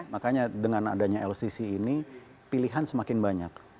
makanya dengan adanya lcc ini pilihan semakin banyak